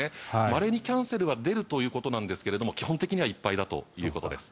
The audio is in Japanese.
まれに、キャンセルは出るということなんですが基本的にはいっぱいだということです。